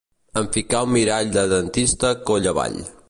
Em ficà un mirall de dentista coll avall